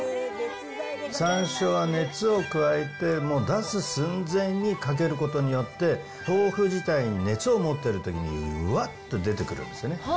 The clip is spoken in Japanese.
さんしょうは熱を加えても出す寸前にかけることによって、豆腐自体に熱を持ってるときにうわっと出てくるんですね。